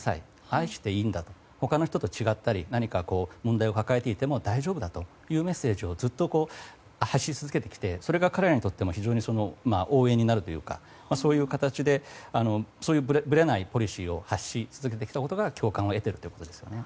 愛していいんだと他の人と違ったり何か問題を抱えていても大丈夫だというメッセージをずっと発信し続けてきてそれが彼らにとっても応援になるというかそういうぶれないポリシーを発し続けてきたことが共感を得ているということですね。